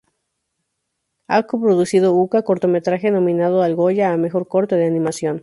Ha coproducido "Uka", cortometraje nominado al Goya a Mejor Corto de Animación.